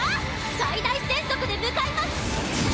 最大戦速で向かいます！